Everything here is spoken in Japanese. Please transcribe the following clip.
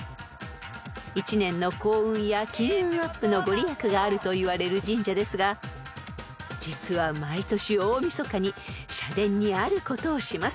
［１年の幸運や金運アップの御利益があるといわれる神社ですが実は毎年大晦日に社殿にあることをします］